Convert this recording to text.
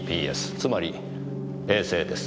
つまり衛星です。